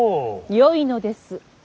よいのです。